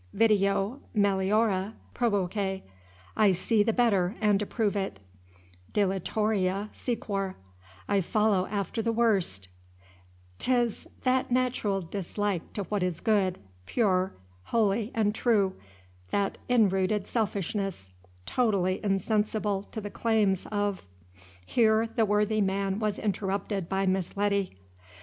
"Video meliora, proboque, I see the better, and approve it; deteriora sequor, I follow after the worse; 't is that natural dislike to what is good, pure, holy, and true, that inrooted selfishness, totally insensible to the claims of" Here the worthy man was interrupted by Miss Letty.